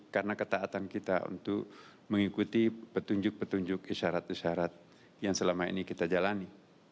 karena ketaatan kita untuk mengikuti petunjuk petunjuk isyarat isyarat yang selama ini kita jalani